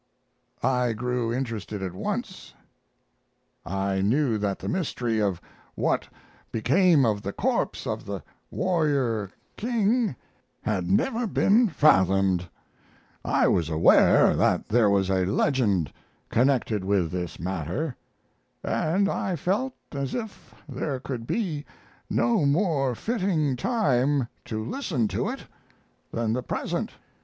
I grew interested at once; I knew that the mystery of what became of the corpse of the warrior king hail never been fathomed; I was aware that there was a legend connected with this matter; and I felt as if there could be no more fitting time to listen to it than the present.